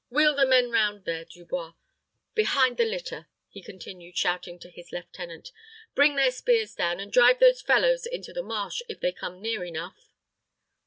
Wheel the men round there, Dubois, behind the litter," he continued, shouting to his lieutenant. "Bring their spears down, and drive those fellows into the marsh, if they come near enough."